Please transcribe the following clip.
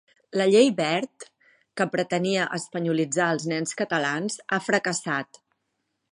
La llei Wert, que pretenia "espanyolitzar" els nens catalans, ha fracassat.